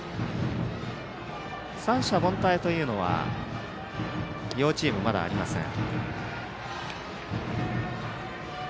三者凡退というのは両チームまだありません。